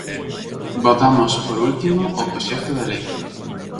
Votamos, por último, o proxecto de lei.